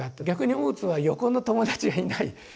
逆に大津は横の友達がいない。